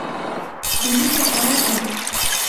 بیمه خسارت میده